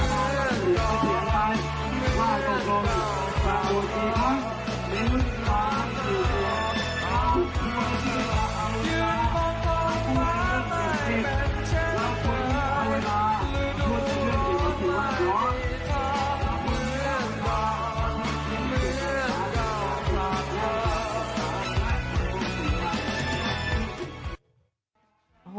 เสียงอะไร